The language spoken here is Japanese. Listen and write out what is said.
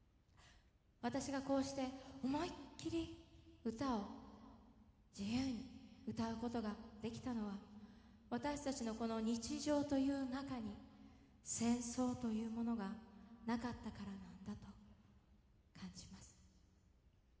私がこうして思いっきり歌を自由に歌うことができたのは私たちのこの日常という中に戦争というものがなかったからなんだと感じます。